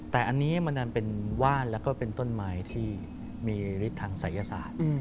แต่อันนี้มันดันเป็นว่านแล้วก็เป็นต้นไม้ที่มีฤทธิ์ทางศัยศาสตร์